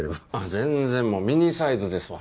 全然もうミニサイズですわ。